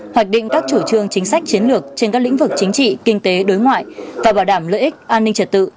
hoạch định các chủ trương chính sách chiến lược trên các lĩnh vực chính trị kinh tế đối ngoại và bảo đảm lợi ích an ninh trật tự